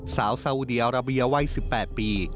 สาวสาวดิอาระเบียวไว้๑๘ปี